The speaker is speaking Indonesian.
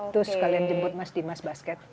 terus kalian jemput mas dimas basket